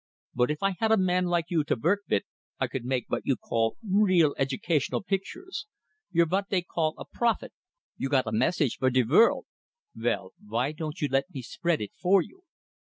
But if I had a man like you to vork vit, I could make vot you call real educational pictures. You're vot dey call a prophet, you got a message fer de vorld; vell, vy don't you let me spread it fer you?